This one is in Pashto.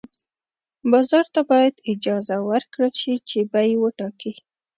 بازار ته باید اجازه ورکړل شي چې بیې وټاکي.